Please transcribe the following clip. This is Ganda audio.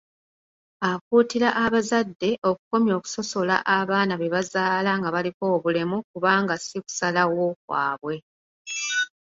Akuutira abazadde okukomya okusosola abaana be bazaala nga baliko obulemu kubanga si kusalawo kwabwe.